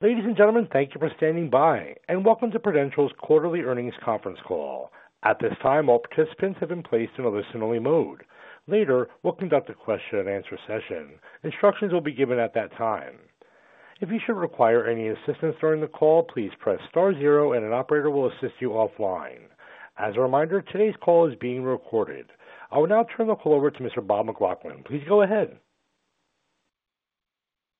Ladies and gentlemen, thank you for standing by, and welcome to Prudential's Quarterly Earnings Conference Call. At this time, all participants have been placed in a listen-only mode. Later, we'll conduct a question-and-answer session. Instructions will be given at that time. If you should require any assistance during the call, please press star zero, and an operator will assist you offline. As a reminder, today's call is being recorded. I will now turn the call over to Mr. Bob McLaughlin. Please go ahead.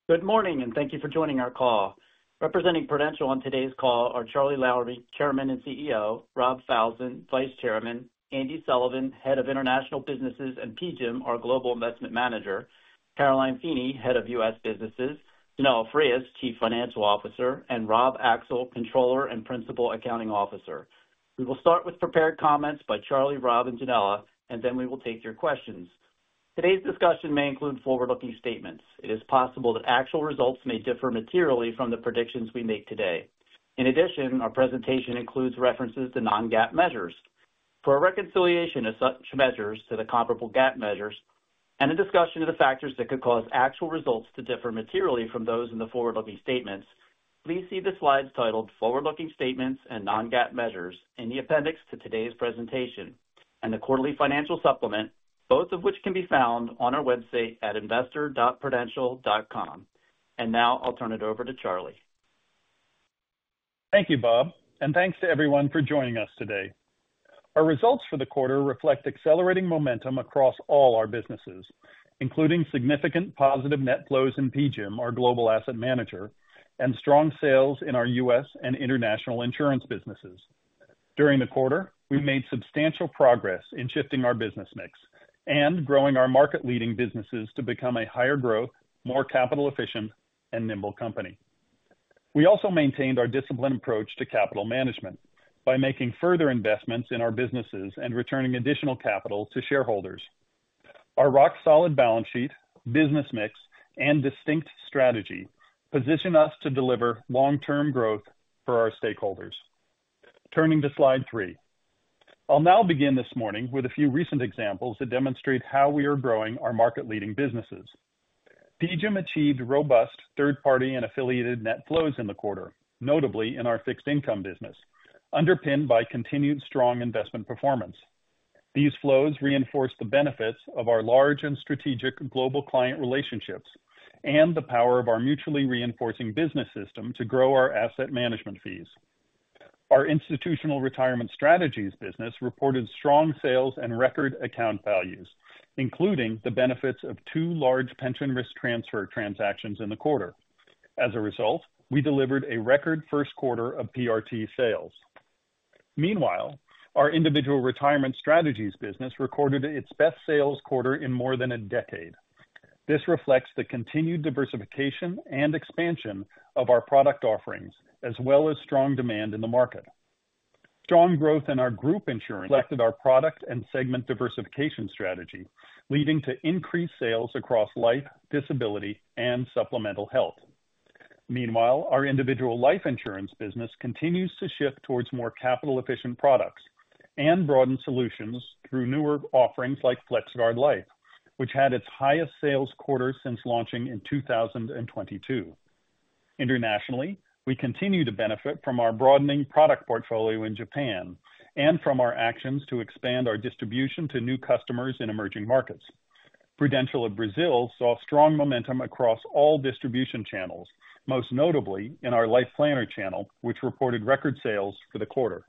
Good morning, and thank you for joining our call. Representing Prudential on today's call are Charlie Lowrey, Chairman and CEO; Rob Falzon, Vice Chairman; Andy Sullivan, Head of International Businesses and PGIM, our Global Investment Manager; Caroline Feeney, Head of U.S. Businesses; Yanela Frias, Chief Financial Officer; and Rob Axel, Controller and Principal Accounting Officer. We will start with prepared comments by Charlie, Rob, and Yanela, and then we will take your questions. Today's discussion may include forward-looking statements. It is possible that actual results may differ materially from the predictions we make today. In addition, our presentation includes references to non-GAAP measures. For a reconciliation of such measures to the comparable GAAP measures and a discussion of the factors that could cause actual results to differ materially from those in the forward-looking statements, please see the slides titled Forward-Looking Statements and Non-GAAP Measures in the appendix to today's presentation and the quarterly financial supplement, both of which can be found on our website at investor.prudential.com. Now I'll turn it over to Charlie. Thank you, Bob, and thanks to everyone for joining us today. Our results for the quarter reflect accelerating momentum across all our businesses, including significant positive net flows in PGIM, our global asset manager, and strong sales in our U.S. and international insurance businesses. During the quarter, we made substantial progress in shifting our business mix and growing our market-leading businesses to become a higher growth, more capital efficient, and nimble company. We also maintained our disciplined approach to capital management by making further investments in our businesses and returning additional capital to shareholders. Our rock-solid balance sheet, business mix, and distinct strategy position us to deliver long-term growth for our stakeholders. Turning to slide three. I'll now begin this morning with a few recent examples that demonstrate how we are growing our market-leading businesses. PGIM achieved robust third-party and affiliated net flows in the quarter, notably in our fixed income business, underpinned by continued strong investment performance. These flows reinforce the benefits of our large and strategic global client relationships and the power of our mutually reinforcing business system to grow our asset management fees. Our Institutional Retirement Strategies business reported strong sales and record account values, including the benefits of two large pension risk transfer transactions in the quarter. As a result, we delivered a record first quarter of PRT sales. Meanwhile, our Individual Retirement Strategies business recorded its best sales quarter in more than a decade. This reflects the continued diversification and expansion of our product offerings, as well as strong demand in the market. Strong growth in our group insurance solidified our product and segment diversification strategy, leading to increased sales across life, disability, and supplemental health. Meanwhile, our individual life insurance business continues to shift towards more capital-efficient products and broaden solutions through newer offerings like FlexGuard Life, which had its highest sales quarter since launching in 2022. Internationally, we continue to benefit from our broadening product portfolio in Japan and from our actions to expand our distribution to new customers in emerging markets. Prudential of Brazil saw strong momentum across all distribution channels, most notably in our Life Planner channel, which reported record sales for the quarter.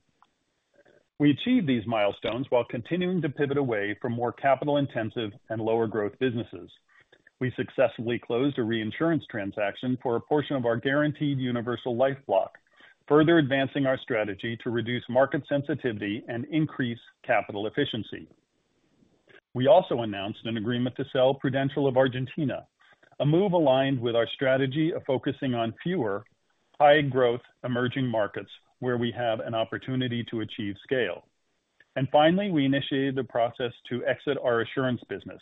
We achieved these milestones while continuing to pivot away from more capital-intensive and lower-growth businesses. We successfully closed a reinsurance transaction for a portion of our Guaranteed Universal Life block, further advancing our strategy to reduce market sensitivity and increase capital efficiency. We also announced an agreement to sell Prudential of Argentina, a move aligned with our strategy of focusing on fewer, high-growth emerging markets where we have an opportunity to achieve scale. And finally, we initiated the process to exit our Assurance business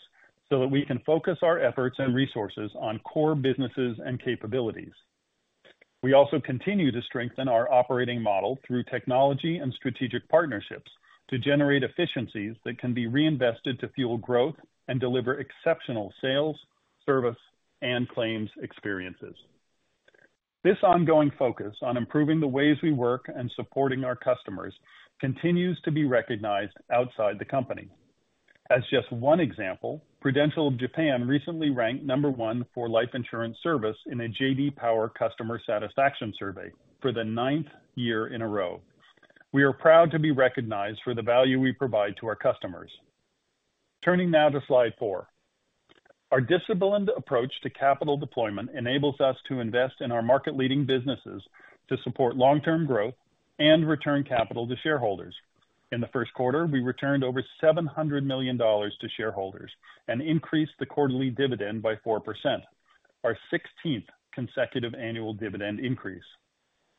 so that we can focus our efforts and resources on core businesses and capabilities. We also continue to strengthen our operating model through technology and strategic partnerships to generate efficiencies that can be reinvested to fuel growth and deliver exceptional sales, service, and claims experiences. This ongoing focus on improving the ways we work and supporting our customers continues to be recognized outside the company. As just one example, Prudential of Japan recently ranked number one for life insurance service in a J.D. Power customer satisfaction survey for the ninth year in a row. We are proud to be recognized for the value we provide to our customers. Turning now to slide four. Our disciplined approach to capital deployment enables us to invest in our market-leading businesses to support long-term growth and return capital to shareholders. In the first quarter, we returned over $700 million to shareholders and increased the quarterly dividend by 4%, our sixteenth consecutive annual dividend increase.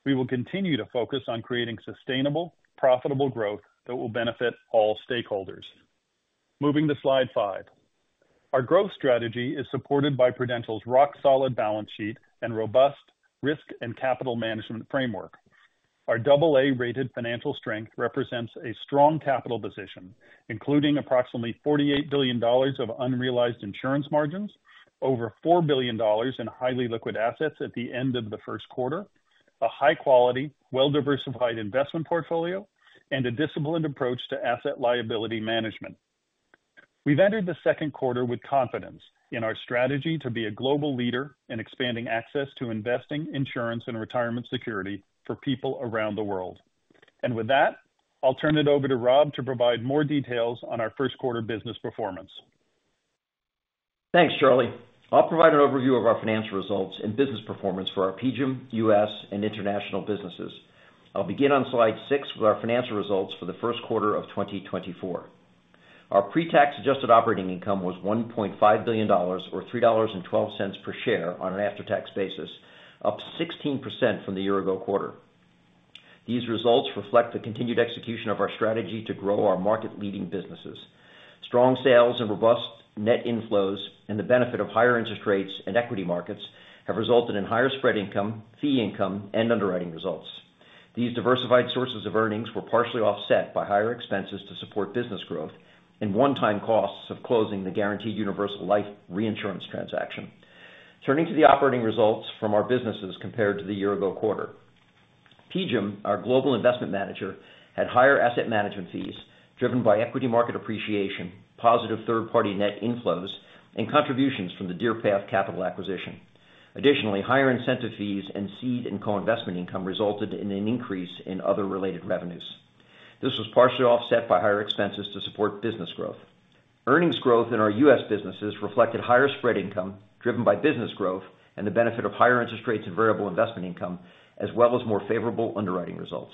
We will continue to focus on creating sustainable, profitable growth that will benefit all stakeholders. Moving to slide five. Our growth strategy is supported by Prudential's rock-solid balance sheet and robust risk and capital management framework. Our double A rated financial strength represents a strong capital position, including approximately $48 billion of unrealized insurance margins, over $4 billion in highly liquid assets at the end of the first quarter, a high quality, well-diversified investment portfolio, and a disciplined approach to asset liability management. We've entered the second quarter with confidence in our strategy to be a global leader in expanding access to investing, insurance, and retirement security for people around the world. With that, I'll turn it over to Rob to provide more details on our first quarter business performance. Thanks, Charlie. I'll provide an overview of our financial results and business performance for our PGIM, U.S., and international businesses. I'll begin on slide six with our financial results for the first quarter of 2024. Our pre-tax adjusted operating income was $1.5 billion, or $3.12 per share on an after-tax basis, up 16% from the year-ago quarter. These results reflect the continued execution of our strategy to grow our market-leading businesses. Strong sales and robust net inflows, and the benefit of higher interest rates and equity markets have resulted in higher spread income, fee income, and underwriting results. These diversified sources of earnings were partially offset by higher expenses to support business growth and one-time costs of closing the Guaranteed Universal Life Reinsurance transaction. Turning to the operating results from our businesses compared to the year-ago quarter. PGIM, our global investment manager, had higher asset management fees driven by equity market appreciation, positive third-party net inflows, and contributions from the Deerpath Capital acquisition. Additionally, higher incentive fees and seed and co-investment income resulted in an increase in other related revenues. This was partially offset by higher expenses to support business growth. Earnings growth in our U.S. businesses reflected higher spread income, driven by business growth and the benefit of higher interest rates and variable investment income, as well as more favorable underwriting results.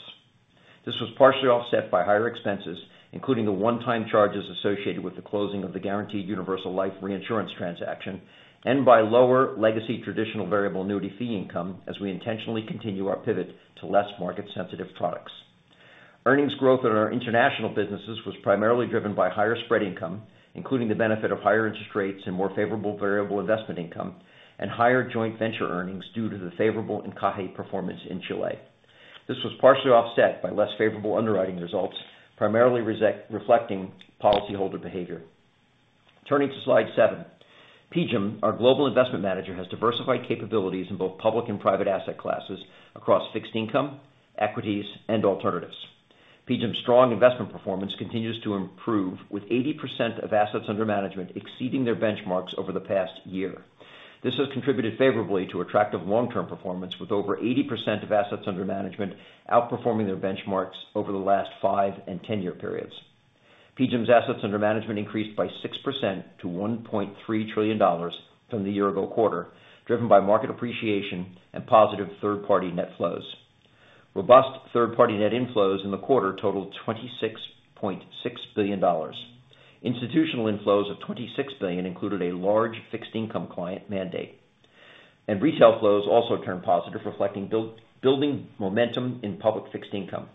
This was partially offset by higher expenses, including the one-time charges associated with the closing of the Guaranteed Universal Life Reinsurance transaction, and by lower legacy traditional variable annuity fee income, as we intentionally continue our pivot to less market-sensitive products. Earnings growth in our international businesses was primarily driven by higher spread income, including the benefit of higher interest rates and more favorable variable investment income, and higher joint venture earnings due to the favorable Encaje performance in Chile. This was partially offset by less favorable underwriting results, primarily reflecting policyholder behavior. Turning to slide seven. PGIM, our global investment manager, has diversified capabilities in both public and private asset classes across fixed income, equities, and alternatives. PGIM's strong investment performance continues to improve, with 80% of assets under management exceeding their benchmarks over the past year. This has contributed favorably to attractive long-term performance, with over 80% of assets under management outperforming their benchmarks over the last five and ten-year periods. PGIM's assets under management increased by 6% to $1.3 trillion from the year ago quarter, driven by market appreciation and positive third-party net flows. Robust third-party net inflows in the quarter totaled $26.6 billion. Institutional inflows of $26 billion included a large fixed income client mandate, and retail flows also turned positive, reflecting building momentum in public fixed income.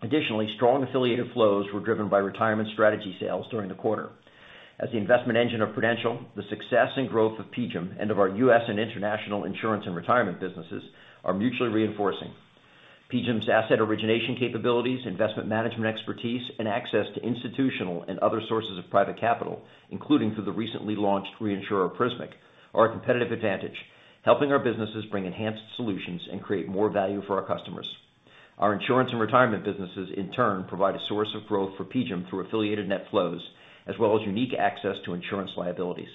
Additionally, strong affiliated flows were driven by retirement strategy sales during the quarter. As the investment engine of Prudential, the success and growth of PGIM and of our U.S. and international insurance and retirement businesses are mutually reinforcing. PGIM's asset origination capabilities, investment management expertise, and access to institutional and other sources of private capital, including through the recently launched reinsurer, Prismic, are a competitive advantage, helping our businesses bring enhanced solutions and create more value for our customers. Our insurance and retirement businesses, in turn, provide a source of growth for PGIM through affiliated net flows, as well as unique access to insurance liabilities.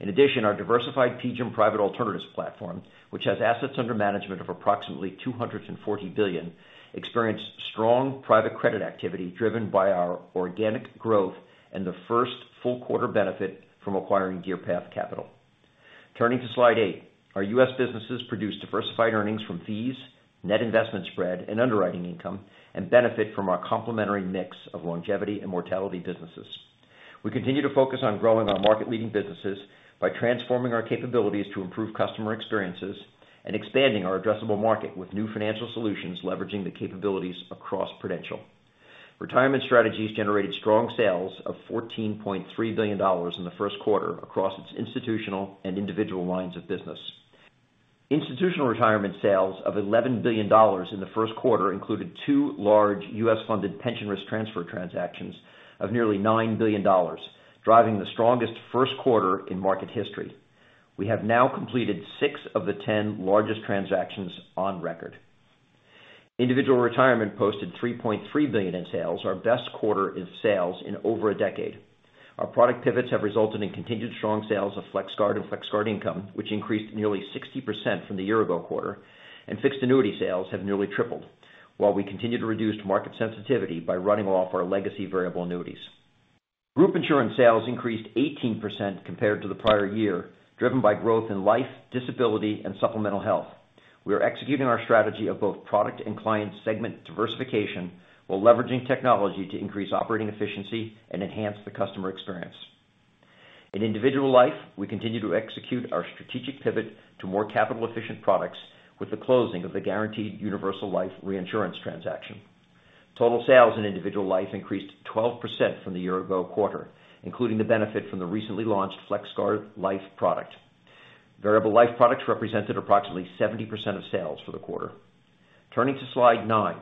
In addition, our diversified PGIM Private Alternatives platform, which has assets under management of approximately $240 billion, experienced strong private credit activity driven by our organic growth and the first full quarter benefit from acquiring Deerpath Capital. Turning to slide eight. Our U.S. businesses produce diversified earnings from fees, net investment spread, and underwriting income, and benefit from our complementary mix of longevity and mortality businesses. We continue to focus on growing our market-leading businesses by transforming our capabilities to improve customer experiences and expanding our addressable market with new financial solutions, leveraging the capabilities across Prudential. Retirement Strategies generated strong sales of $14.3 billion in the first quarter across its institutional and individual lines of business. Institutional retirement sales of $11 billion in the first quarter included two large U.S.-funded pension risk transfer transactions of nearly $9 billion, driving the strongest first quarter in market history. We have now completed six of the 10 largest transactions on record. Individual retirement posted $3.3 billion in sales, our best quarter in sales in over a decade. Our product pivots have resulted in continued strong sales of FlexGuard and FlexGuard Income, which increased nearly 60% from the year ago quarter, and fixed annuity sales have nearly tripled, while we continue to reduce market sensitivity by running off our legacy variable annuities. Group insurance sales increased 18% compared to the prior year, driven by growth in life, disability, and supplemental health. We are executing our strategy of both product and client segment diversification, while leveraging technology to increase operating efficiency and enhance the customer experience. In individual life, we continue to execute our strategic pivot to more capital-efficient products with the closing of the Guaranteed Universal Life Reinsurance transaction. Total sales in individual life increased 12% from the year ago quarter, including the benefit from the recently launched FlexGuard Life product. Variable life products represented approximately 70% of sales for the quarter. Turning to slide 9.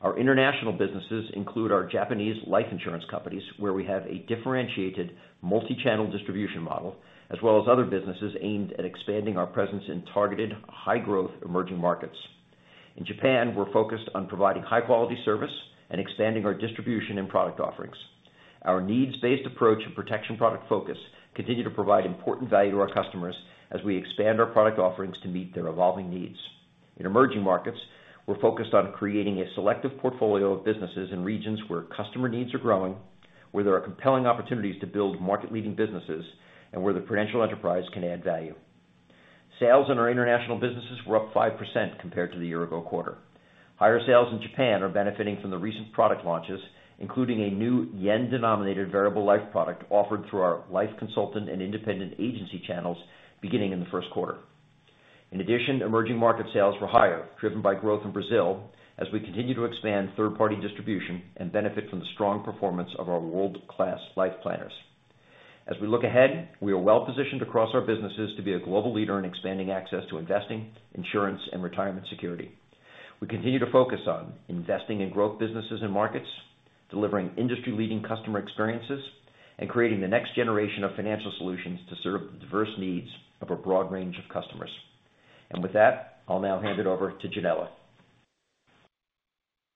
Our international businesses include our Japanese life insurance companies, where we have a differentiated multi-channel distribution model, as well as other businesses aimed at expanding our presence in targeted, high-growth emerging markets. In Japan, we're focused on providing high-quality service and expanding our distribution and product offerings. Our needs-based approach and protection product focus continue to provide important value to our customers as we expand our product offerings to meet their evolving needs. In emerging markets, we're focused on creating a selective portfolio of businesses in regions where customer needs are growing, where there are compelling opportunities to build market-leading businesses, and where the Prudential enterprise can add value. Sales in our international businesses were up 5% compared to the year-ago quarter. Higher sales in Japan are benefiting from the recent product launches, including a new yen-denominated variable life product offered through our life consultant and independent agency channels beginning in the first quarter. In addition, emerging market sales were higher, driven by growth in Brazil as we continue to expand third-party distribution and benefit from the strong performance of our world-class Life Planners. As we look ahead, we are well-positioned across our businesses to be a global leader in expanding access to investing, insurance, and retirement security. We continue to focus on investing in growth businesses and markets, delivering industry-leading customer experiences, and creating the next generation of financial solutions to serve the diverse needs of a broad range of customers. And with that, I'll now hand it over to Yanela.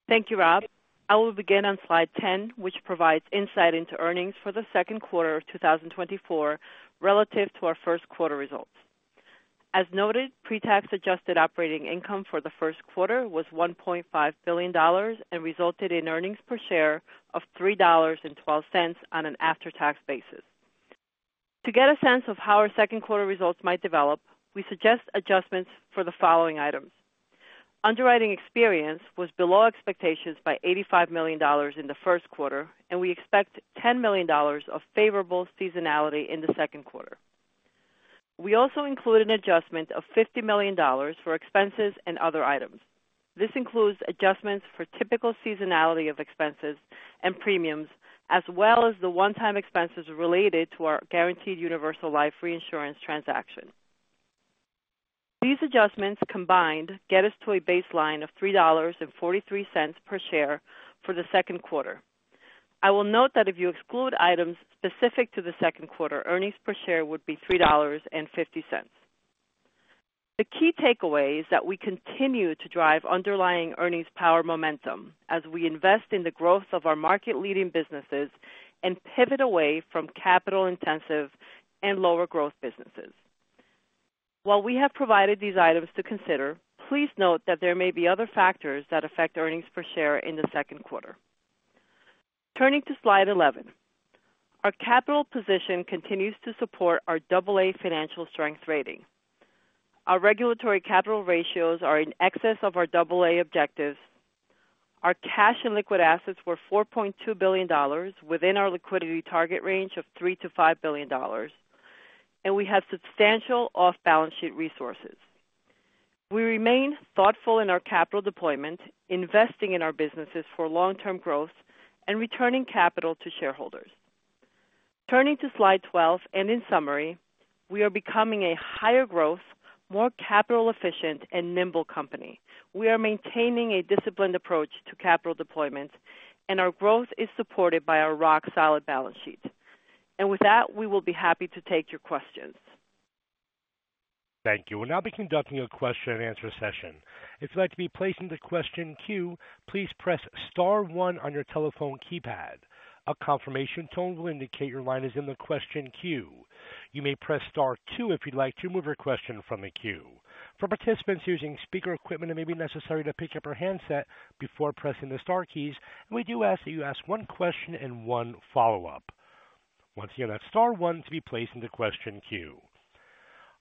Thank you, Rob. I will begin on slide 10, which provides insight into earnings for the second quarter of 2024 relative to our first quarter results. As noted, pre-tax adjusted operating income for the first quarter was $1.5 billion and resulted in earnings per share of $3.12 on an after-tax basis. To get a sense of how our second quarter results might develop, we suggest adjustments for the following items. Underwriting experience was below expectations by $85 million in the first quarter, and we expect $10 million of favorable seasonality in the second quarter. We also include an adjustment of $50 million for expenses and other items. This includes adjustments for typical seasonality of expenses and premiums, as well as the one-time expenses related to our guaranteed universal life reinsurance transaction. These adjustments, combined, get us to a baseline of $3.43 per share for the second quarter. I will note that if you exclude items specific to the second quarter, earnings per share would be $3.50. The key takeaway is that we continue to drive underlying earnings power momentum as we invest in the growth of our market-leading businesses and pivot away from capital-intensive and lower-growth businesses. While we have provided these items to consider, please note that there may be other factors that affect earnings per share in the second quarter. Turning to slide 11, our capital position continues to support our double A financial strength rating. Our regulatory capital ratios are in excess of our double A objectives. Our cash and liquid assets were $4.2 billion, within our liquidity target range of $3 billion-$5 billion, and we have substantial off-balance sheet resources. We remain thoughtful in our capital deployment, investing in our businesses for long-term growth and returning capital to shareholders. Turning to slide 12, and in summary, we are becoming a higher growth, more capital efficient, and nimble company. We are maintaining a disciplined approach to capital deployment, and our growth is supported by our rock-solid balance sheet. With that, we will be happy to take your questions. Thank you. We'll now be conducting a question-and-answer session. If you'd like to be placed into the question queue, please press star one on your telephone keypad. A confirmation tone will indicate your line is in the question queue. You may press star two if you'd like to remove your question from the queue. For participants using speaker equipment, it may be necessary to pick up your handset before pressing the star keys, and we do ask that you ask one question and one follow-up. Once again, that's star one to be placed in the question queue.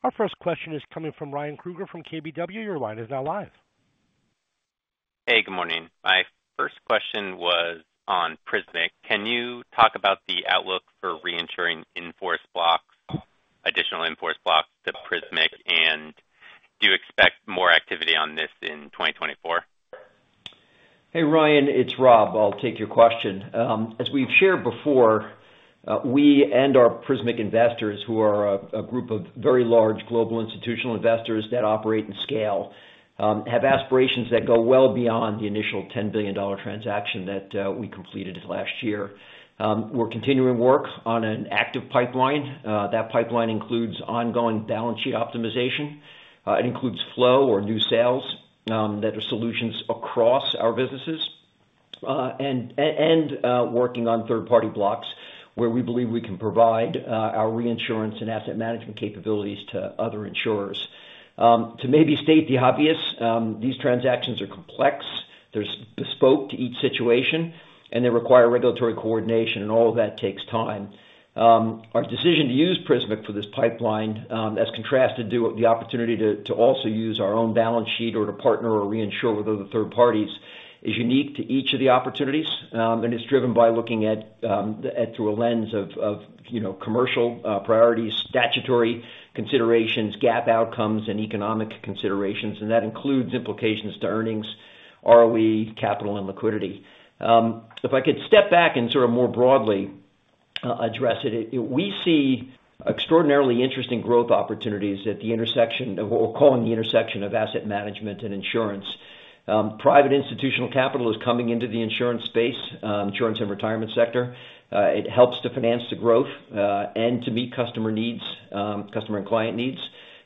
Our first question is coming from Ryan Krueger from KBW. Your line is now live. Hey, good morning. My first question was on Prismic. Can you talk about the outlook for reinsuring in-force blocks, additional in-force blocks to Prismic? And do you expect more activity on this in 2024? Hey, Ryan, it's Rob. I'll take your question. As we've shared before, we and our Prismic investors, who are a group of very large global institutional investors that operate in scale, have aspirations that go well beyond the initial $10 billion transaction that we completed last year. We're continuing work on an active pipeline. That pipeline includes ongoing balance sheet optimization. It includes flow or new sales that are solutions across our businesses, and working on third-party blocks where we believe we can provide our reinsurance and asset management capabilities to other insurers. To maybe state the obvious, these transactions are complex, they're bespoke to each situation, and they require regulatory coordination, and all of that takes time. Our decision to use Prismic for this pipeline, as contrasted to the opportunity to also use our own balance sheet or to partner or reinsure with other third parties, is unique to each of the opportunities, and it's driven by looking at through a lens of, you know, commercial priorities, statutory considerations, GAAP outcomes, and economic considerations, and that includes implications to earnings, ROE, capital, and liquidity. If I could step back and sort of more broadly-... address it. We see extraordinarily interesting growth opportunities at the intersection of, what we're calling the intersection of asset management and insurance. Private institutional capital is coming into the insurance space, insurance and retirement sector. It helps to finance the growth, and to meet customer needs, customer and client needs.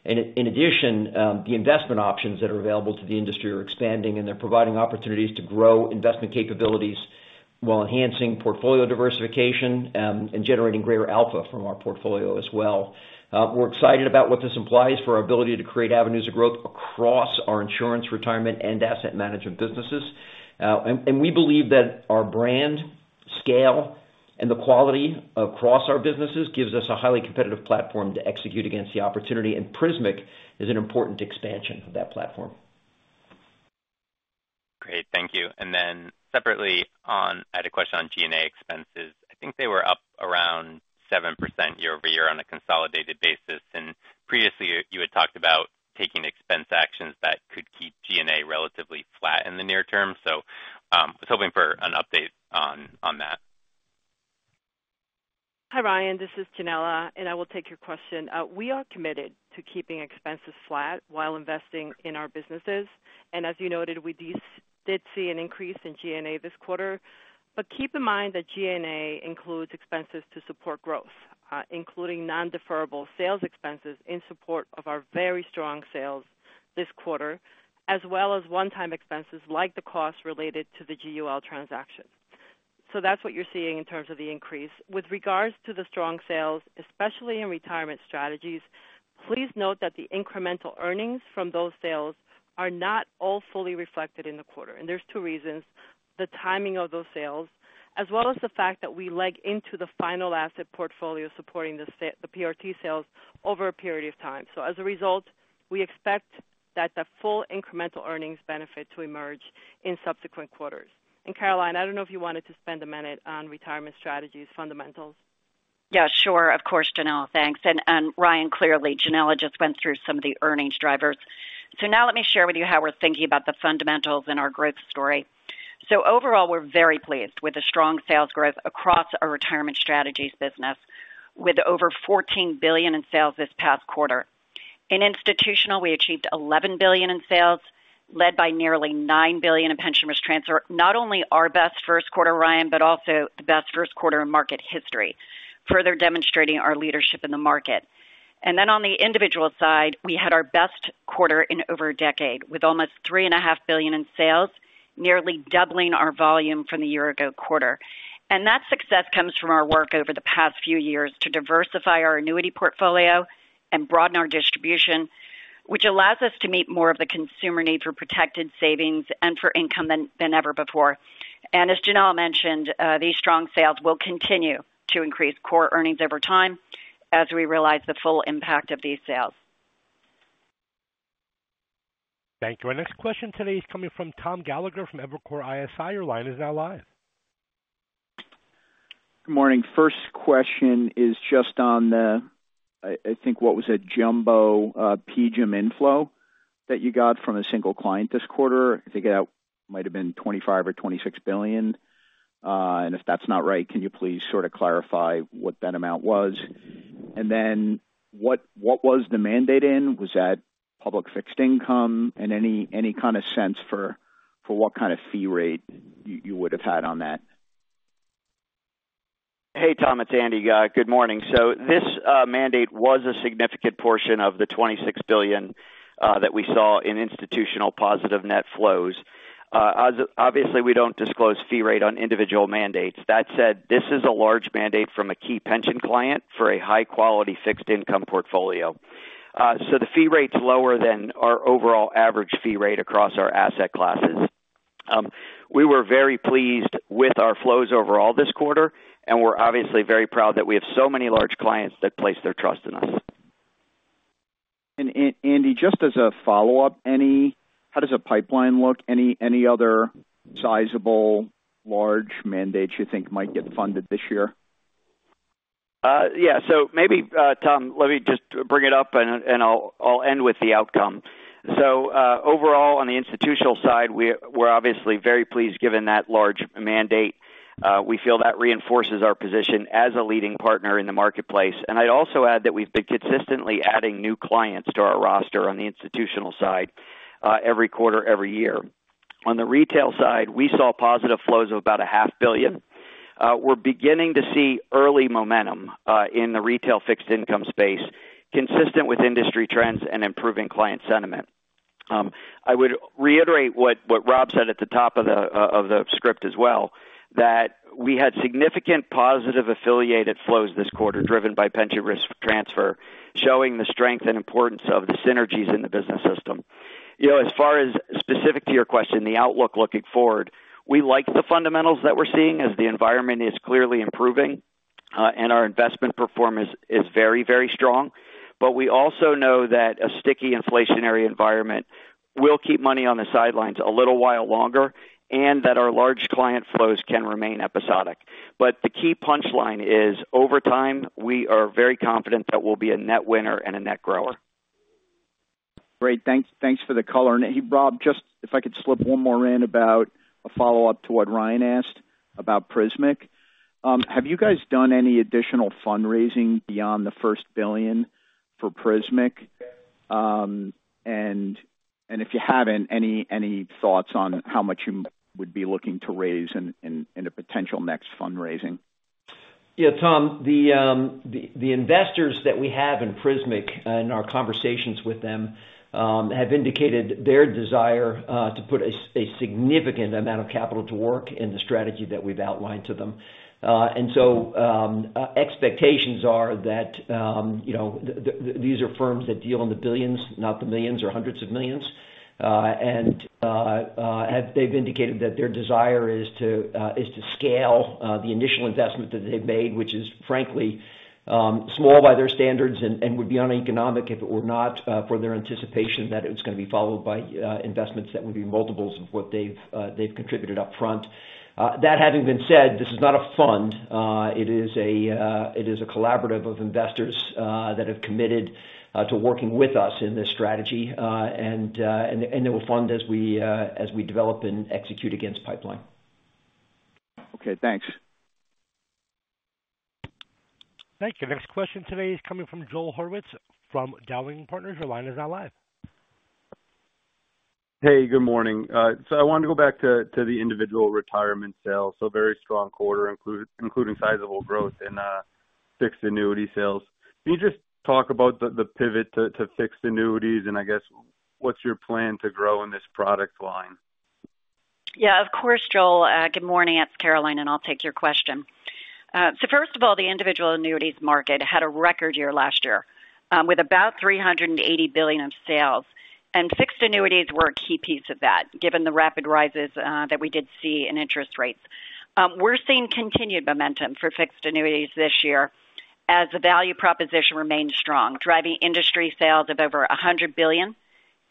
And in addition, the investment options that are available to the industry are expanding, and they're providing opportunities to grow investment capabilities while enhancing portfolio diversification, and generating greater alpha from our portfolio as well. We're excited about what this implies for our ability to create avenues of growth across our insurance, retirement, and asset management businesses. And we believe that our brand, scale, and the quality across our businesses gives us a highly competitive platform to execute against the opportunity, and Prismic is an important expansion of that platform. Great, thank you. Then separately, I had a question on G&A expenses. I think they were up around 7% year-over-year on a consolidated basis, and previously, you had talked about taking expense actions that could keep G&A relatively flat in the near term. So, I was hoping for an update on that. Hi, Ryan, this is Yanela, and I will take your question. We are committed to keeping expenses flat while investing in our businesses, and as you noted, we did see an increase in G&A this quarter. But keep in mind that G&A includes expenses to support growth, including non-deferrable sales expenses in support of our very strong sales this quarter, as well as one-time expenses, like the cost related to the GUL transaction. So that's what you're seeing in terms of the increase. With regards to the strong sales, especially in retirement strategies, please note that the incremental earnings from those sales are not all fully reflected in the quarter, and there's two reasons: the timing of those sales, as well as the fact that we leg into the final asset portfolio supporting the PRT sales over a period of time. As a result, we expect that the full incremental earnings benefit to emerge in subsequent quarters. Caroline, I don't know if you wanted to spend a minute on retirement strategies fundamentals. Yeah, sure. Of course, Yanela, thanks. And, Ryan, clearly, Yanela just went through some of the earnings drivers. So now let me share with you how we're thinking about the fundamentals in our growth story. So overall, we're very pleased with the strong sales growth across our retirement strategies business, with over $14 billion in sales this past quarter. In institutional, we achieved $11 billion in sales, led by nearly $9 billion in pension risk transfer. Not only our best first quarter, Ryan, but also the best first quarter in market history, further demonstrating our leadership in the market. And then on the individual side, we had our best quarter in over a decade, with almost $3.5 billion in sales, nearly doubling our volume from the year ago quarter. That success comes from our work over the past few years to diversify our annuity portfolio and broaden our distribution, which allows us to meet more of the consumer needs for protected savings and for income than ever before. As Yanela mentioned, these strong sales will continue to increase core earnings over time as we realize the full impact of these sales. Thank you. Our next question today is coming from Tom Gallagher from Evercore ISI. Your line is now live. Good morning. First question is just on the, I, I think, what was it? Jumbo, PGIM inflow that you got from a single client this quarter. I think that might have been $25 billion-$26 billion. And if that's not right, can you please sort of clarify what that amount was? And then what, what was the mandate in? Was that public fixed income? And any, any kind of sense for, for what kind of fee rate you, you would have had on that? Hey, Tom, it's Andy, good morning. So this mandate was a significant portion of the $26 billion that we saw in institutional positive net flows. Obviously, we don't disclose fee rate on individual mandates. That said, this is a large mandate from a key pension client for a high-quality fixed income portfolio. So the fee rate's lower than our overall average fee rate across our asset classes. We were very pleased with our flows overall this quarter, and we're obviously very proud that we have so many large clients that place their trust in us. Andy, just as a follow-up, any, how does the pipeline look? Any other sizable, large mandates you think might get funded this year? Yeah. So maybe, Tom, let me just bring it up, and I'll end with the outcome. So, overall, on the institutional side, we're obviously very pleased, given that large mandate. We feel that reinforces our position as a leading partner in the marketplace. And I'd also add that we've been consistently adding new clients to our roster on the institutional side, every quarter, every year. On the retail side, we saw positive flows of about $500 million. We're beginning to see early momentum in the retail fixed income space, consistent with industry trends and improving client sentiment. I would reiterate what, what Rob said at the top of the, of the script as well, that we had significant positive affiliated flows this quarter, driven by Pension Risk Transfer, showing the strength and importance of the synergies in the business system. You know, as far as specific to your question, the outlook looking forward, we like the fundamentals that we're seeing as the environment is clearly improving, and our investment performance is very, very strong. But we also know that a sticky inflationary environment will keep money on the sidelines a little while longer, and that our large client flows can remain episodic. But the key punchline is, over time, we are very confident that we'll be a net winner and a net grower. ... Great, thanks, thanks for the color. And hey, Bob, just if I could slip one more in about a follow-up to what Ryan asked about Prismic. Have you guys done any additional fundraising beyond the first $1 billion for Prismic? And if you haven't, any thoughts on how much you would be looking to raise in a potential next fundraising? Yeah, Tom, the investors that we have in Prismic and our conversations with them have indicated their desire to put a significant amount of capital to work in the strategy that we've outlined to them. And so, expectations are that, you know, these are firms that deal in the billions, not the millions or hundreds of millions. And they've indicated that their desire is to scale the initial investment that they've made, which is frankly small by their standards and would be uneconomic if it were not for their anticipation that it's gonna be followed by investments that would be multiples of what they've contributed upfront. That having been said, this is not a fund. It is a collaborative of investors that have committed to working with us in this strategy. And they will fund as we develop and execute against pipeline. Okay, thanks. Thank you. Next question today is coming from Joel Hurwitz from Dowling & Partners. Your line is now live. Hey, good morning. So I wanted to go back to the individual retirement sales. So very strong quarter, including sizable growth in fixed annuity sales. Can you just talk about the pivot to fixed annuities, and I guess, what's your plan to grow in this product line? Yeah, of course, Joel. Good morning. It's Caroline, and I'll take your question. So first of all, the individual annuities market had a record year last year, with about $380 billion of sales, and fixed annuities were a key piece of that, given the rapid rises that we did see in interest rates. We're seeing continued momentum for fixed annuities this year as the value proposition remains strong, driving industry sales of over $100 billion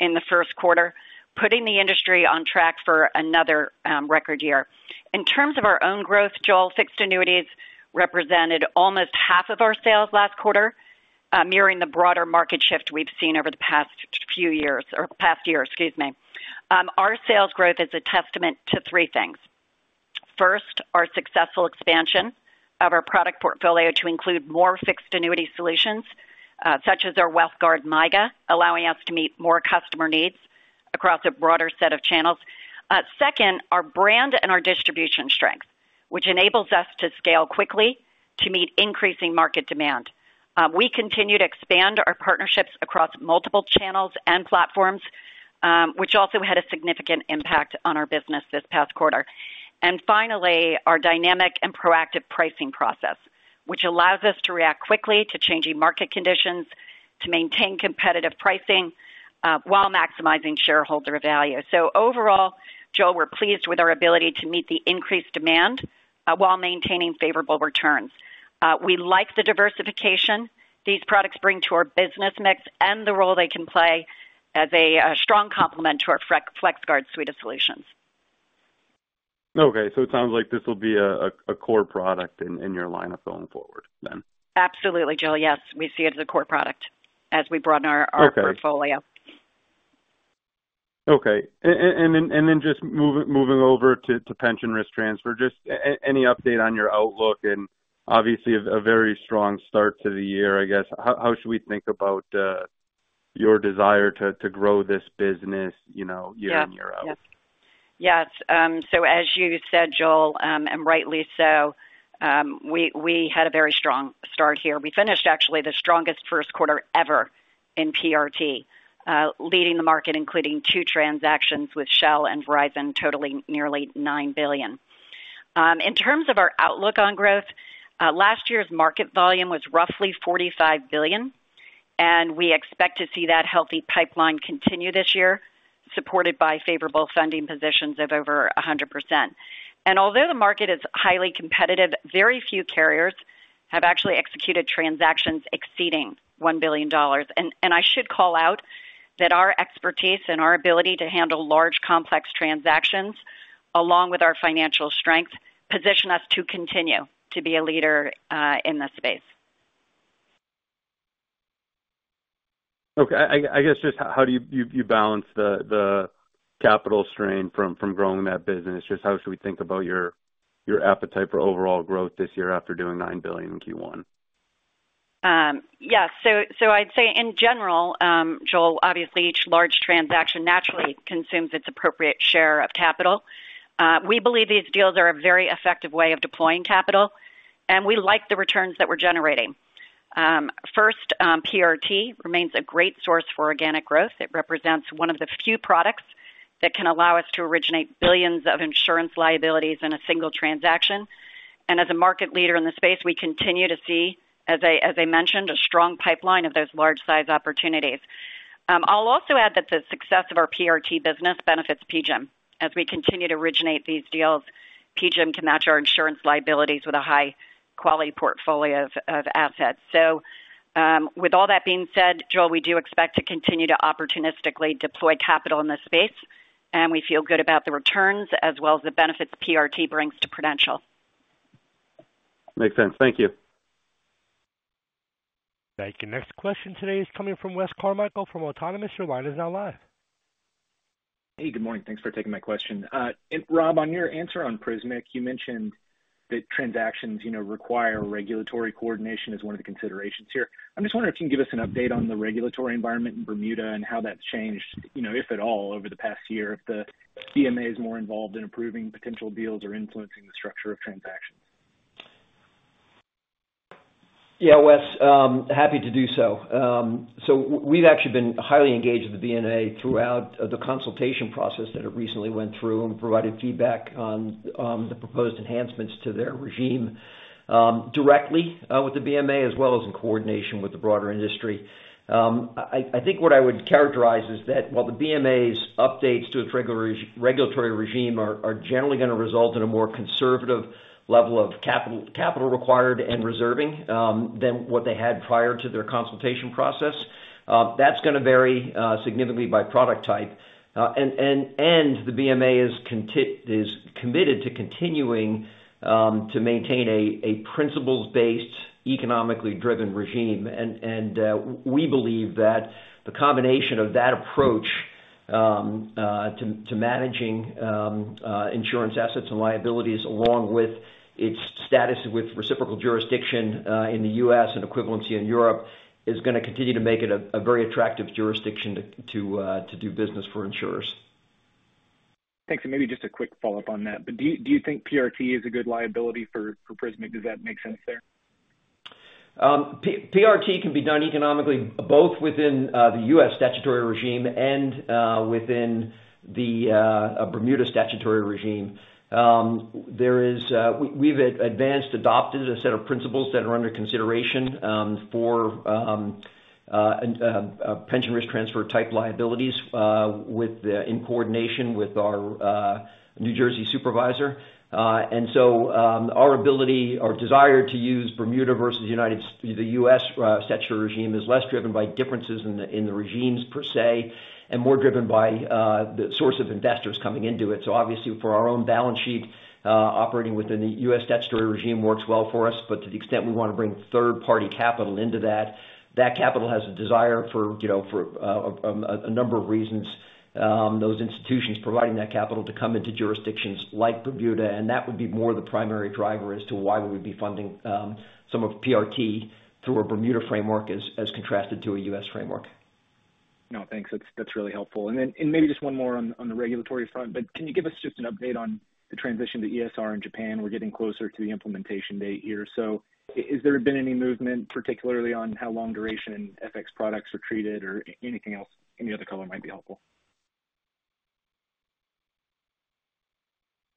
in the first quarter, putting the industry on track for another record year. In terms of our own growth, Joel, fixed annuities represented almost half of our sales last quarter, mirroring the broader market shift we've seen over the past few years or past year, excuse me. Our sales growth is a testament to three things. First, our successful expansion of our product portfolio to include more fixed annuity solutions, such as our WealthGuard MYGA, allowing us to meet more customer needs across a broader set of channels. Second, our brand and our distribution strength, which enables us to scale quickly to meet increasing market demand. We continue to expand our partnerships across multiple channels and platforms, which also had a significant impact on our business this past quarter. And finally, our dynamic and proactive pricing process, which allows us to react quickly to changing market conditions, to maintain competitive pricing, while maximizing shareholder value. So overall, Joel, we're pleased with our ability to meet the increased demand, while maintaining favorable returns. We like the diversification these products bring to our business mix and the role they can play as a strong complement to our FlexGuard suite of solutions. Okay, so it sounds like this will be a core product in your lineup going forward then? Absolutely, Joel. Yes, we see it as a core product as we broaden our. Okay. -portfolio. Okay. And then, just moving over to pension risk transfer, just any update on your outlook and obviously a very strong start to the year, I guess. How should we think about your desire to grow this business, you know, year on year out? Yeah. Yes. So as you said, Joel, and rightly so, we had a very strong start here. We finished actually the strongest first quarter ever in PRT, leading the market, including two transactions with Shell and Verizon, totaling nearly $9 billion. In terms of our outlook on growth, last year's market volume was roughly $45 billion, and we expect to see that healthy pipeline continue this year, supported by favorable funding positions of over 100%. And I should call out that our expertise and our ability to handle large, complex transactions, along with our financial strength, position us to continue to be a leader in this space. Okay, I guess just how do you balance the capital strain from growing that business? Just how should we think about your appetite for overall growth this year after doing $9 billion in Q1? Yes. So, I'd say in general, Joel, obviously each large transaction naturally consumes its appropriate share of capital. We believe these deals are a very effective way of deploying capital, and we like the returns that we're generating. First, PRT remains a great source for organic growth. It represents one of the few products that can allow us to originate billions of insurance liabilities in a single transaction. And as a market leader in the space, we continue to see, as I mentioned, a strong pipeline of those large size opportunities. I'll also add that the success of our PRT business benefits PGIM. As we continue to originate these deals, PGIM can match our insurance liabilities with a high-quality portfolio of assets. With all that being said, Joel, we do expect to continue to opportunistically deploy capital in this space, and we feel good about the returns as well as the benefits PRT brings to Prudential.... Makes sense. Thank you. Thank you. Next question today is coming from Wes Carmichael from Autonomous. Your line is now live. Hey, good morning. Thanks for taking my question. And Rob, on your answer on Prismic, you mentioned that transactions, you know, require regulatory coordination as one of the considerations here. I'm just wondering if you can give us an update on the regulatory environment in Bermuda and how that's changed, you know, if at all, over the past year, if the BMA is more involved in approving potential deals or influencing the structure of transactions? Yeah, Wes, happy to do so. So we've actually been highly engaged with the BMA throughout the consultation process that it recently went through and provided feedback on the proposed enhancements to their regime directly with the BMA, as well as in coordination with the broader industry. I think what I would characterize is that while the BMA's updates to its regulatory regime are generally gonna result in a more conservative level of capital required and reserving than what they had prior to their consultation process, that's gonna vary significantly by product type. And the BMA is committed to continuing to maintain a principles-based, economically driven regime. We believe that the combination of that approach to managing insurance assets and liabilities, along with its status with reciprocal jurisdiction in the U.S. and equivalency in Europe, is gonna continue to make it a very attractive jurisdiction to do business for insurers. Thanks. And maybe just a quick follow-up on that. But do you think PRT is a good liability for Prismic? Does that make sense there? PRT can be done economically, both within the U.S. statutory regime and within the Bermuda statutory regime. We have adopted a set of principles that are under consideration for pension risk transfer-type liabilities, in coordination with our New Jersey supervisor. And so, our ability or desire to use Bermuda versus the U.S. statutory regime is less driven by differences in the regimes per se, and more driven by the source of investors coming into it. So obviously, for our own balance sheet, operating within the U.S. statutory regime works well for us. But to the extent we want to bring third-party capital into that, that capital has a desire for, you know, a number of reasons, those institutions providing that capital to come into jurisdictions like Bermuda, and that would be more the primary driver as to why we would be funding some of PRT through a Bermuda framework as contrasted to a U.S. framework. No, thanks. That's, that's really helpful. And then, and maybe just one more on, on the regulatory front, but can you give us just an update on the transition to ESR in Japan? We're getting closer to the implementation date here. So has there been any movement, particularly on how long duration and FX products are treated or anything else? Any other color might be helpful.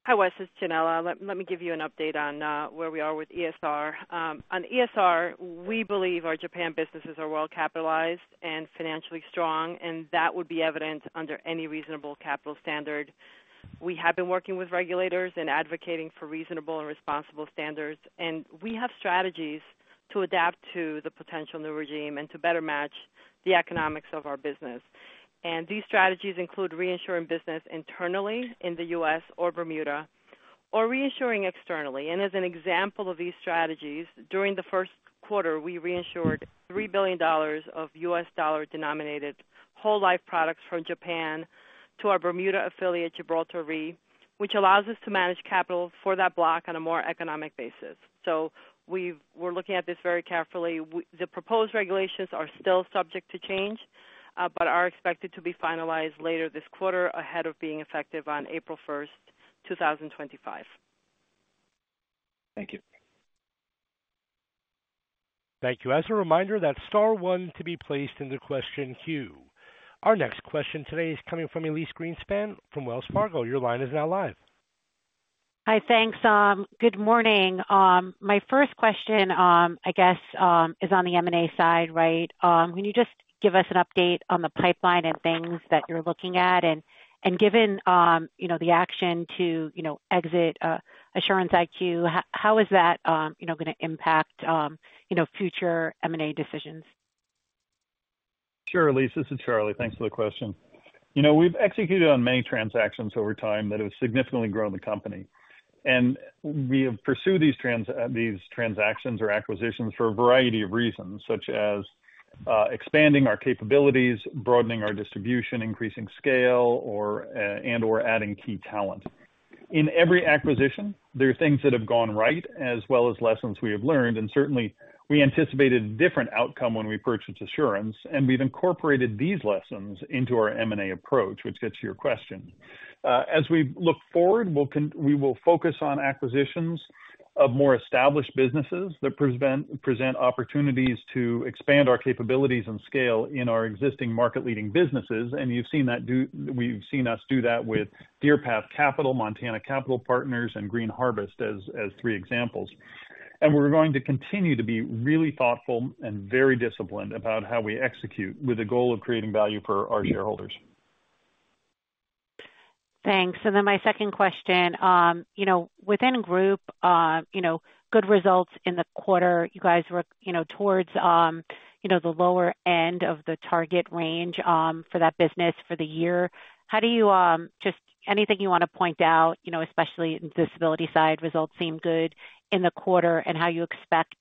Hi, Wes. This is Yanela. Let me give you an update on where we are with ESR. On ESR, we believe our Japan businesses are well capitalized and financially strong, and that would be evident under any reasonable capital standard. We have been working with regulators and advocating for reasonable and responsible standards, and we have strategies to adapt to the potential new regime and to better match the economics of our business. These strategies include reinsuring business internally in the U.S. or Bermuda, or reinsuring externally. As an example of these strategies, during the first quarter, we reinsured $3 billion of U.S. dollar-denominated whole life products from Japan to our Bermuda affiliate, Gibraltar Re, which allows us to manage capital for that block on a more economic basis. So we're looking at this very carefully. The proposed regulations are still subject to change, but are expected to be finalized later this quarter, ahead of being effective on April 1, 2025. Thank you. Thank you. As a reminder, that's star one to be placed in the question queue. Our next question today is coming from Elyse Greenspan from Wells Fargo. Your line is now live. Hi, thanks. Good morning. My first question, I guess, is on the M&A side, right? Can you just give us an update on the pipeline and things that you're looking at? And, given, you know, the action to, you know, exit Assurance IQ, how is that, you know, gonna impact, you know, future M&A decisions? Sure, Elyse, this is Charlie. Thanks for the question. You know, we've executed on many transactions over time that have significantly grown the company, and we have pursued these transactions or acquisitions for a variety of reasons, such as expanding our capabilities, broadening our distribution, increasing scale, or and/or adding key talent. In every acquisition, there are things that have gone right, as well as lessons we have learned, and certainly, we anticipated a different outcome when we purchased Assurance, and we've incorporated these lessons into our M&A approach, which gets to your question. As we look forward, we will focus on acquisitions of more established businesses that present opportunities to expand our capabilities and scale in our existing market-leading businesses, and you've seen that we've seen us do that with DeerPath Capital, Montana Capital Partners, and Green Harvest as three examples. And we're going to continue to be really thoughtful and very disciplined about how we execute with the goal of creating value for our shareholders. ... Thanks. And then my second question, you know, within Group, you know, good results in the quarter, you guys were, you know, towards, you know, the lower end of the target range, for that business for the year. How do you, just anything you want to point out, you know, especially in disability side, results seem good in the quarter, and how you expect,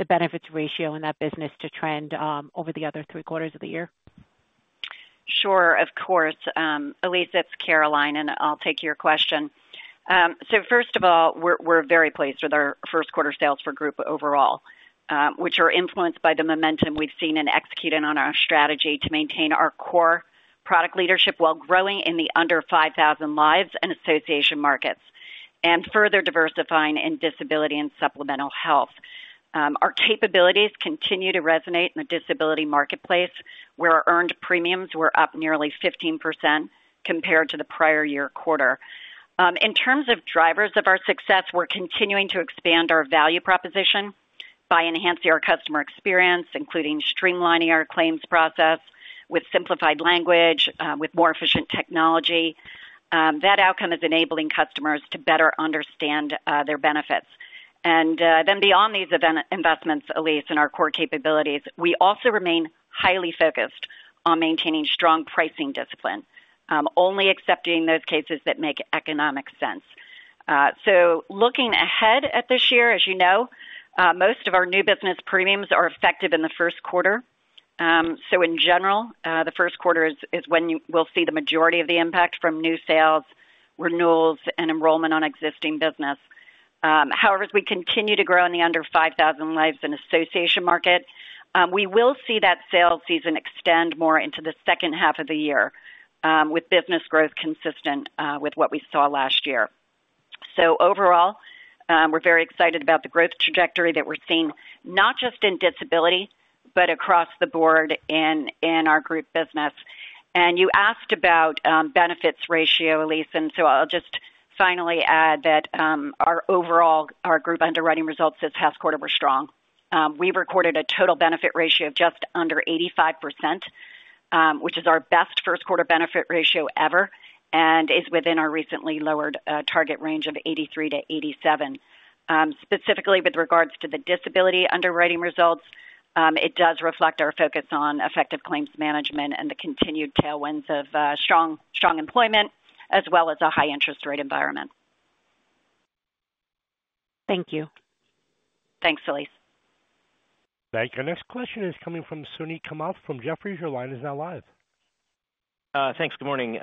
the benefits ratio in that business to trend, over the other three quarters of the year? Sure, of course. Elyse, it's Caroline, and I'll take your question. So first of all, we're very pleased with our first quarter sales for Group overall, which are influenced by the momentum we've seen and executed on our strategy to maintain our core product leadership while growing in the under 5,000 lives and association markets, and further diversifying in disability and supplemental health. Our capabilities continue to resonate in the disability marketplace, where our earned premiums were up nearly 15% compared to the prior-year quarter. In terms of drivers of our success, we're continuing to expand our value proposition by enhancing our customer experience, including streamlining our claims process with simplified language, with more efficient technology. That outcome is enabling customers to better understand their benefits. Then beyond these event investments, Elyse, in our core capabilities, we also remain highly focused on maintaining strong pricing discipline, only accepting those cases that make economic sense. So looking ahead at this year, as you know, most of our new business premiums are effective in the first quarter. So in general, the first quarter is when we'll see the majority of the impact from new sales, renewals, and enrollment on existing business. However, as we continue to grow in the under 5,000 lives and association market, we will see that sales season extend more into the second half of the year, with business growth consistent with what we saw last year. So overall, we're very excited about the growth trajectory that we're seeing, not just in disability, but across the board in our group business. You asked about benefit ratio, Elyse, and so I'll just finally add that our overall group underwriting results this past quarter were strong. We recorded a total benefit ratio of just under 85%, which is our best first quarter benefit ratio ever and is within our recently lowered target range of 83%-87%. Specifically with regards to the disability underwriting results, it does reflect our focus on effective claims management and the continued tailwinds of strong employment, as well as a high interest rate environment. Thank you. Thanks, Elise. Thank you. Our next question is coming from Suneet Kamath from Jefferies. Your line is now live. Thanks. Good morning.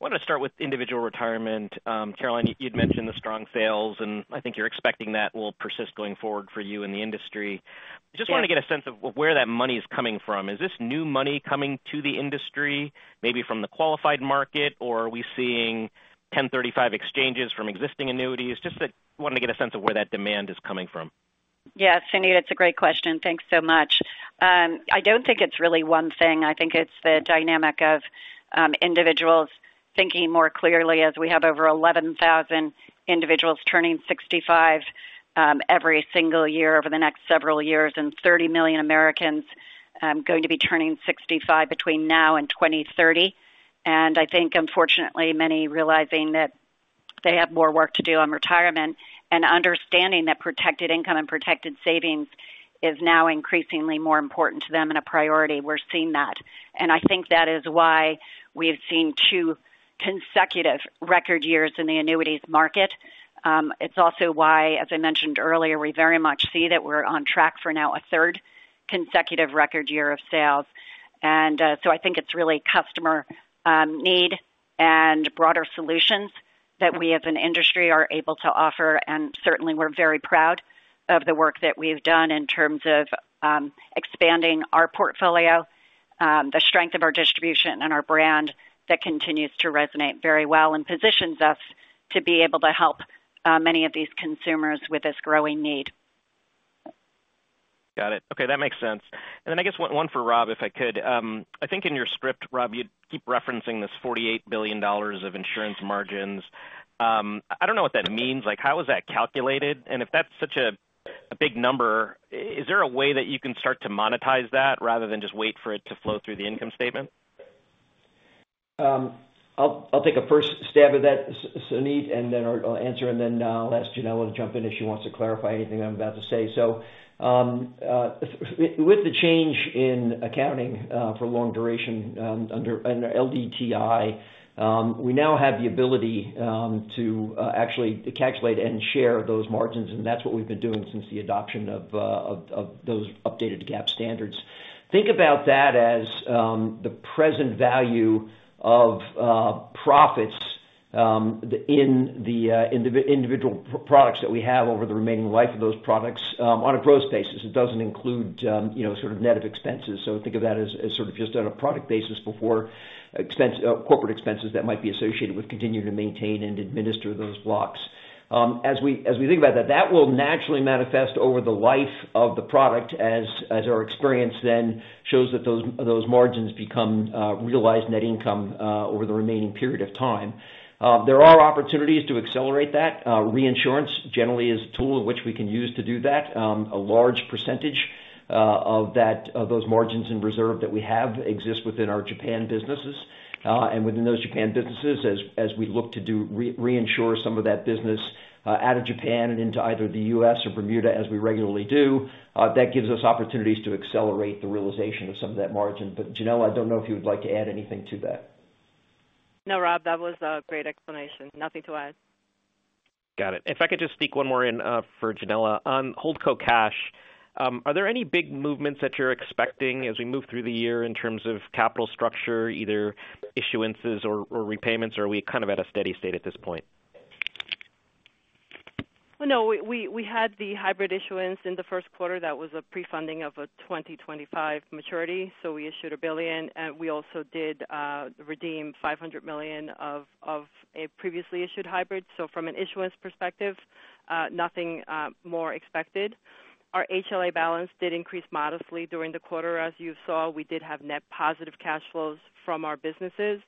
Wanted to start with individual retirement. Caroline, you'd mentioned the strong sales, and I think you're expecting that will persist going forward for you in the industry. Yes. Just want to get a sense of where that money is coming from. Is this new money coming to the industry, maybe from the qualified market, or are we seeing 1035 exchanges from existing annuities? Just that, wanted to get a sense of where that demand is coming from. Yes, Suneet, that's a great question. Thanks so much. I don't think it's really one thing. I think it's the dynamic of, individuals thinking more clearly as we have over 11,000 individuals turning 65, every single year over the next several years, and 30 million Americans, going to be turning 65 between now and 2030. And I think, unfortunately, many realizing that they have more work to do on retirement and understanding that protected income and protected savings is now increasingly more important to them and a priority. We're seeing that, and I think that is why we've seen 2 consecutive record years in the annuities market. It's also why, as I mentioned earlier, we very much see that we're on track for now a third consecutive record year of sales. So I think it's really customer need and broader solutions that we as an industry are able to offer. Certainly, we're very proud of the work that we've done in terms of expanding our portfolio, the strength of our distribution and our brand that continues to resonate very well and positions us to be able to help many of these consumers with this growing need. Got it. Okay, that makes sense. And then I guess one for Rob, if I could. I think in your script, Rob, you keep referencing this $48 billion of insurance margins. I don't know what that means. Like, how is that calculated? And if that's such a big number, is there a way that you can start to monetize that rather than just wait for it to flow through the income statement? I'll take a first stab at that, Suneet, and then I'll answer, and then I'll ask Yanela to jump in if she wants to clarify anything I'm about to say. With the change in accounting for long duration under LDTI, we now have the ability to actually calculate and share those margins, and that's what we've been doing since the adoption of those updated GAAP standards. Think about that as the present value of profits in the individual products that we have over the remaining life of those products on a gross basis. It doesn't include, you know, sort of net of expenses. So think of that as sort of just on a product basis before expense, corporate expenses that might be associated with continuing to maintain and administer those blocks. As we think about that, that will naturally manifest over the life of the product as our experience then shows that those margins become realized net income over the remaining period of time. There are opportunities to accelerate that. Reinsurance generally is a tool of which we can use to do that. A large percentage of those margins in reserve that we have exist within our Japan businesses. Within those Japan businesses, as we look to reinsure some of that business out of Japan and into either the U.S. or Bermuda, as we regularly do, that gives us opportunities to accelerate the realization of some of that margin. But Yanela, I don't know if you would like to add anything to that. No, Rob, that was a great explanation. Nothing to add. Got it. If I could just sneak one more in, for Yanela. On HoldCo cash, are there any big movements that you're expecting as we move through the year in terms of capital structure, either issuances or, or repayments, or are we kind of at a steady state at this point? No, we had the hybrid issuance in the first quarter. That was a prefunding of a 2025 maturity, so we issued $1 billion, and we also did redeem $500 million of a previously issued hybrid. So from an issuance perspective, nothing more expected. Our HLA balance did increase modestly during the quarter. As you saw, we did have net positive cash flows from our businesses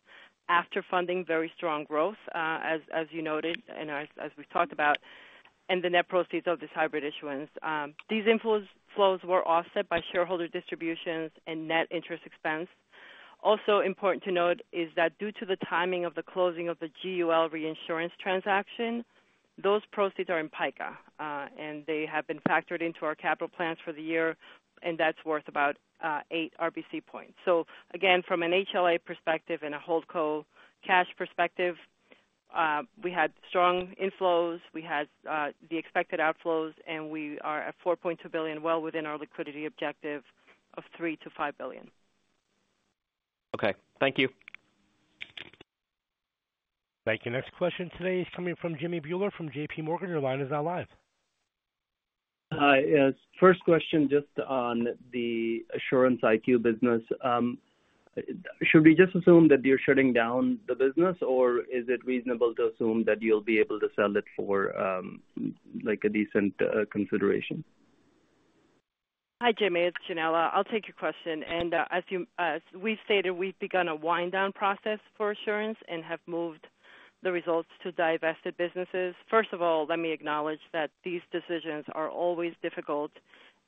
after funding very strong growth, as you noted and as we've talked about, and the net proceeds of this hybrid issuance. These inflows were offset by shareholder distributions and net interest expense. Also important to note is that due to the timing of the closing of the GUL reinsurance transaction, those proceeds are in PICA, and they have been factored into our capital plans for the year, and that's worth about 8 RBC points. So again, from an HLA perspective and a hold co cash perspective, we had strong inflows, we had the expected outflows, and we are at $4.2 billion, well within our liquidity objective of $3 billion-$5 billion. Okay. Thank you. Thank you. Next question today is coming from Jimmy Bhullar from JPMorgan. Your line is now live. Hi. Yes, first question, just on the Assurance IQ business. Should we just assume that you're shutting down the business, or is it reasonable to assume that you'll be able to sell it for, like, a decent consideration? Hi, Jimmy, it's Yanela. I'll take your question. And, as we've stated, we've begun a wind down process for Assurance and have moved the results to Divested businesses. First of all, let me acknowledge that these decisions are always difficult,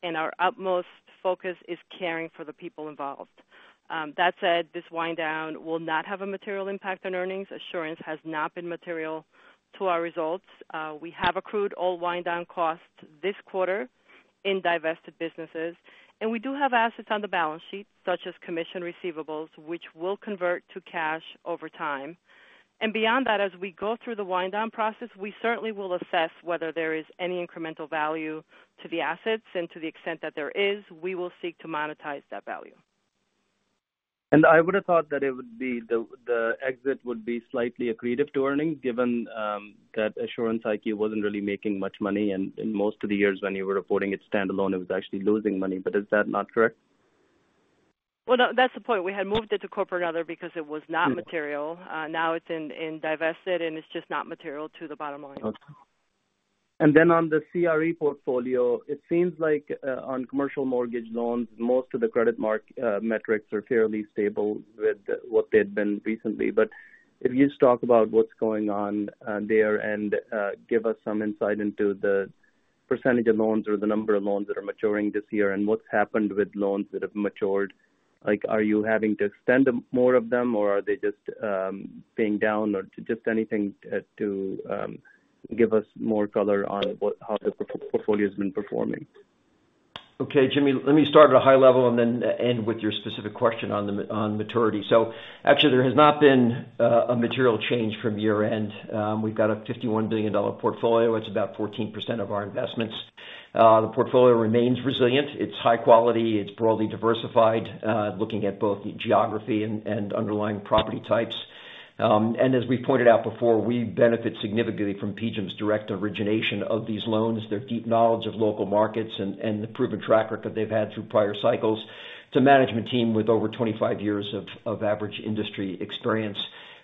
and our utmost focus is caring for the people involved. That said, this wind down will not have a material impact on earnings. Assurance has not been material to our results. We have accrued all wind down costs this quarter in Divested businesses, and we do have assets on the balance sheet, such as commission receivables, which will convert to cash over time. And beyond that, as we go through the wind down process, we certainly will assess whether there is any incremental value to the assets, and to the extent that there is, we will seek to monetize that value. I would've thought that the exit would be slightly accretive to earnings, given that Assurance IQ wasn't really making much money, and most of the years when you were reporting it standalone, it was actually losing money. But is that not correct? Well, no, that's the point. We had moved it to Corporate & Other because it was not material. Mm-hmm. Now it's divested, and it's just not material to the bottom line. Okay. Then on the CRE portfolio, it seems like on commercial mortgage loans, most of the credit mark metrics are fairly stable with what they've been recently. But if you just talk about what's going on there and give us some insight into the percentage of loans or the number of loans that are maturing this year, and what's happened with loans that have matured? Like, are you having to extend them, more of them, or are they just paying down? Or just anything to give us more color on how the portfolio's been performing. Okay, Jimmy, let me start at a high level and then end with your specific question on maturity. So actually, there has not been a material change from year-end. We've got a $51 billion portfolio. It's about 14% of our investments. The portfolio remains resilient. It's high quality, it's broadly diversified, looking at both geography and underlying property types. And as we pointed out before, we benefit significantly from PGIM's direct origination of these loans, their deep knowledge of local markets, and the proven track record they've had through prior cycles. It's a management team with over 25 years of average industry experience.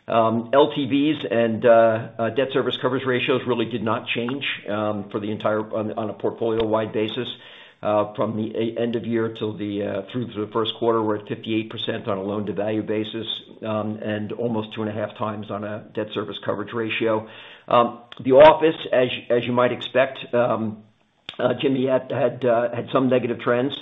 LTVs and debt service coverage ratios really did not change on a portfolio-wide basis. From the end of year till through to the first quarter, we're at 58% on a loan-to-value basis, and almost 2.5x on a debt service coverage ratio. The office, as you might expect, Jimmy, had some negative trends.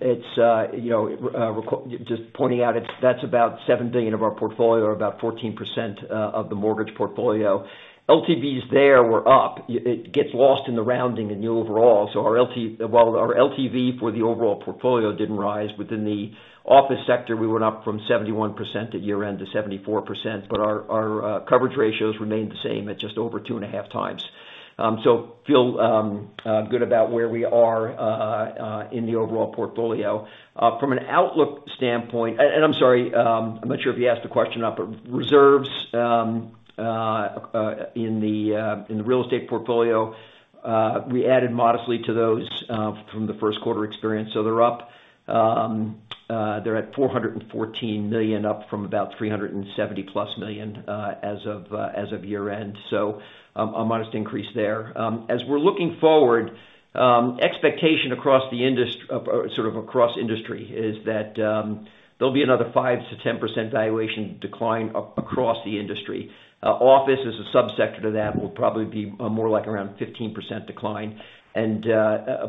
It's you know, just pointing out, it's-- that's about $7 billion of our portfolio, or about 14%, of the mortgage portfolio. LTVs there were up. It gets lost in the rounding in the overall. So our LT-- well, our LTV for the overall portfolio didn't rise. Within the office sector, we went up from 71% at year-end to 74%, but our coverage ratios remained the same at just over 2.5x. So feel good about where we are in the overall portfolio. From an outlook standpoint—and, and I'm sorry, I'm not sure if you asked the question or not, but reserves in the real estate portfolio, we added modestly to those from the first quarter experience. So they're up. They're at $414 million, up from about $370+ million as of year-end. So, a modest increase there. As we're looking forward, expectation sort of across industry is that there'll be another 5%-10% valuation decline across the industry. Office as a subsector to that will probably be more like around 15% decline. And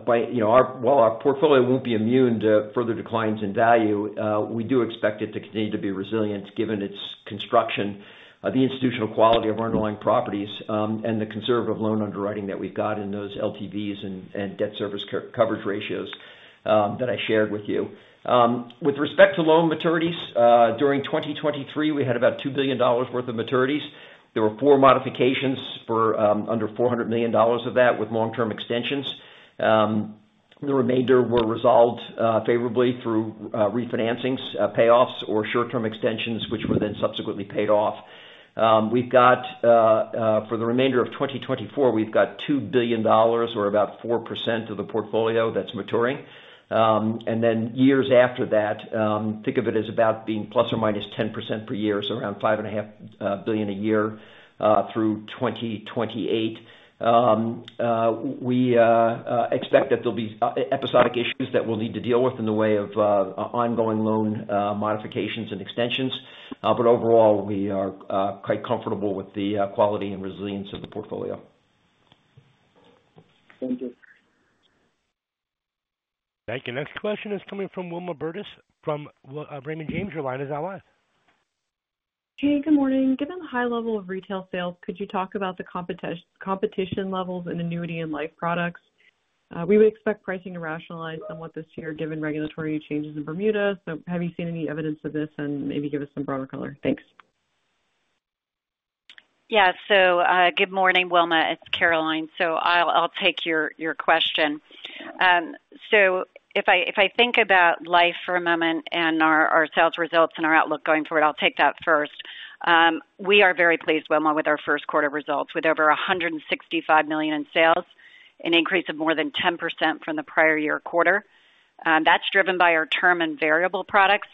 by, you know, our... While our portfolio won't be immune to further declines in value, we do expect it to continue to be resilient given its construction, the institutional quality of underlying properties, and the conservative loan underwriting that we've got in those LTVs and debt service coverage ratios that I shared with you. With respect to loan maturities, during 2023, we had about $2 billion worth of maturities. There were four modifications for under $400 million of that with long-term extensions. The remainder were resolved favorably through refinancings, payoffs, or short-term extensions, which were then subsequently paid off. We've got for the remainder of 2024, we've got $2 billion or about 4% of the portfolio that's maturing. And then years after that, think of it as about being ±10% per year, so around $5.5 billion a year through 2028. We expect that there'll be episodic issues that we'll need to deal with in the way of ongoing loan modifications and extensions, but overall, we are quite comfortable with the quality and resilience of the portfolio. Thank you. Thank you. Next question is coming from Wilma Burdis from Raymond James. Your line is now live. Hey, good morning. Given the high level of retail sales, could you talk about the competition levels in annuity and life products? We would expect pricing to rationalize somewhat this year given regulatory changes in Bermuda. So have you seen any evidence of this? And maybe give us some broader color. Thanks. Yeah. So, good morning, Wilma, it's Caroline. So I'll take your question. So if I think about life for a moment and our sales results and our outlook going forward, I'll take that first. We are very pleased, Wilma, with our first quarter results, with over $165 million in sales, an increase of more than 10% from the prior year quarter. That's driven by our term and variable products,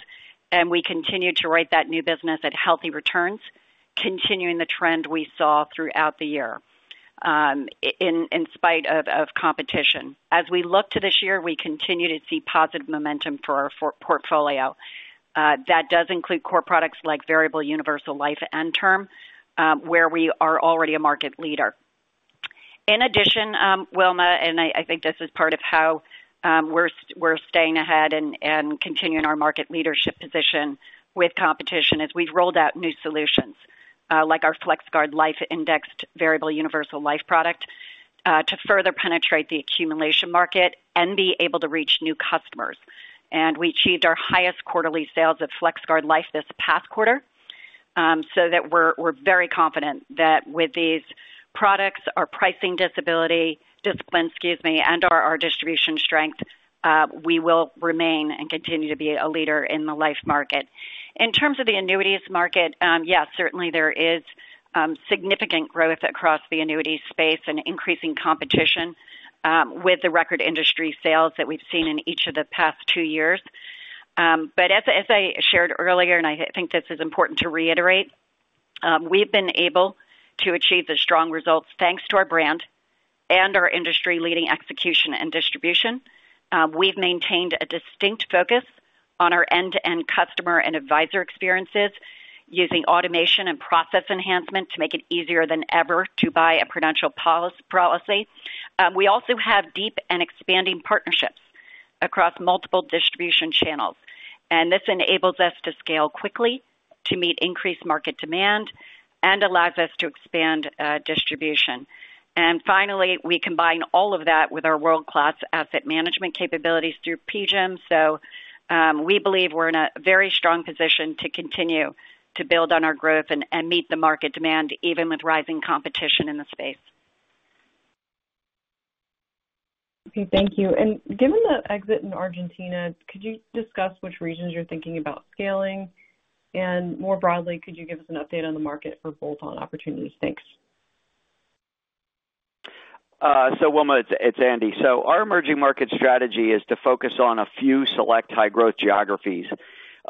and we continue to write that new business at healthy returns, continuing the trend we saw throughout the year, in spite of competition. As we look to this year, we continue to see positive momentum for our portfolio. That does include core products like Variable Universal Life and Term, where we are already a market leader. In addition, Wilma, and I think this is part of how we're staying ahead and continuing our market leadership position with competition, is we've rolled out new solutions, like our FlexGuard Life indexed variable universal life product, to further penetrate the accumulation market and be able to reach new customers. And we achieved our highest quarterly sales at FlexGuard Life this past quarter. So that we're very confident that with these products, our pricing discipline, excuse me, and our distribution strength, we will remain and continue to be a leader in the life market. In terms of the annuities market, certainly there is significant growth across the annuities space and increasing competition, with the record industry sales that we've seen in each of the past two years. But as I shared earlier, and I think this is important to reiterate, we've been able to achieve the strong results thanks to our brand and our industry-leading execution and distribution. We've maintained a distinct focus on our end-to-end customer and advisor experiences, using automation and process enhancement to make it easier than ever to buy a Prudential policy. We also have deep and expanding partnerships across multiple distribution channels, and this enables us to scale quickly to meet increased market demand and allows us to expand distribution. And finally, we combine all of that with our world-class asset management capabilities through PGIM. So we believe we're in a very strong position to continue to build on our growth and meet the market demand, even with rising competition in the space. Okay, thank you. And given the exit in Argentina, could you discuss which regions you're thinking about scaling? And more broadly, could you give us an update on the market for bolt-on opportunities? Thanks. So Wilma, it's Andy. So our emerging market strategy is to focus on a few select high-growth geographies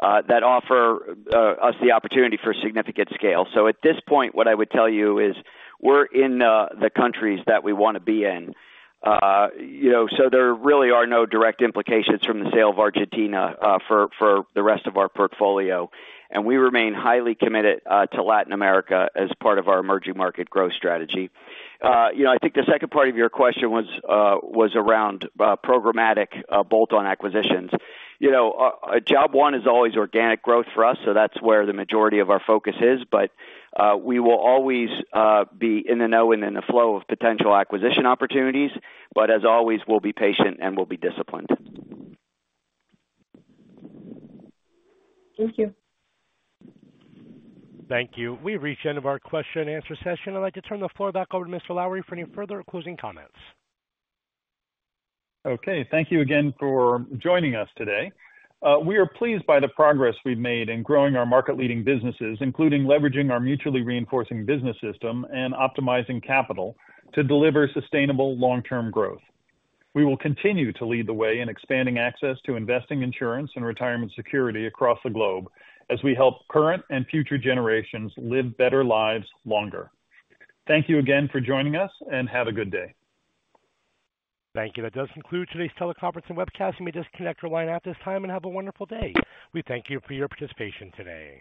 that offer us the opportunity for significant scale. So at this point, what I would tell you is we're in the countries that we want to be in. You know, so there really are no direct implications from the sale of Argentina for the rest of our portfolio. And we remain highly committed to Latin America as part of our emerging market growth strategy. You know, I think the second part of your question was around programmatic bolt-on acquisitions. You know, job one is always organic growth for us, so that's where the majority of our focus is. We will always be in the know and in the flow of potential acquisition opportunities, but as always, we'll be patient and we'll be disciplined. Thank you. Thank you. We've reached the end of our question and answer session. I'd like to turn the floor back over to Mr. Lowrey for any further closing comments. Okay. Thank you again for joining us today. We are pleased by the progress we've made in growing our market-leading businesses, including leveraging our mutually reinforcing business system and optimizing capital to deliver sustainable long-term growth. We will continue to lead the way in expanding access to investing, insurance, and retirement security across the globe, as we help current and future generations live better lives longer. Thank you again for joining us, and have a good day. Thank you. That does conclude today's teleconference and webcast. You may disconnect your line at this time and have a wonderful day. We thank you for your participation today.